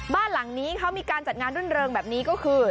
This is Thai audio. บ้านหลังนี้เขามีการจัดงานรื่นเริงแบบนี้ก็คือ